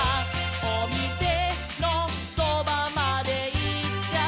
「おみせのそばまでいっちゃった」